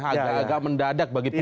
agak agak mendadak bagi publik